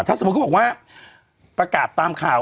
ถ้าสมมุติเขาบอกว่าประกาศตามข่าว